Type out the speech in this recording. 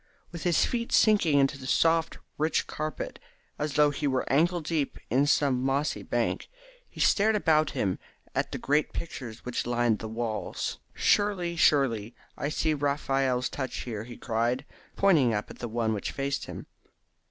With his feet sinking into the soft rich carpet, as though he were ankle deep in some mossy bank, he stared about him at the great pictures which lined the walls. "Surely, surely, I see Raphael's touch there," he cried, pointing up at the one which faced him.